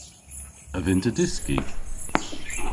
A vynn'ta dyski?